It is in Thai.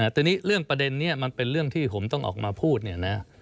ทีนี้เรื่องประเด็นนี้มันเป็นเรื่องที่ผมต้องออกมาพูดเนี่ยนะ